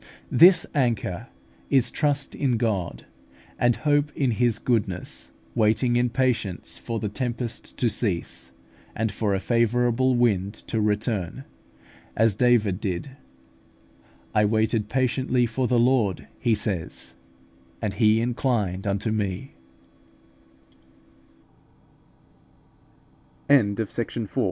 This anchor is trust in God and hope in His goodness, waiting in patience for the tempest to cease, and for a favourable wind to return, as David did: "I waited patiently for the Lord," he says, "and He i